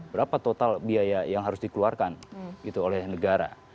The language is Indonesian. berapa total biaya yang harus dikeluarkan gitu oleh negara